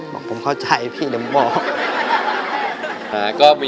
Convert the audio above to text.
บอกผมเข้าใจพี่เดี๋ยวผมบอก